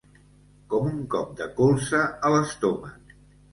Com un cop de colze a l'estómac.